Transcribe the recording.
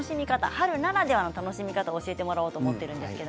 春ならではの楽しみ方を教えてもらおうと思います。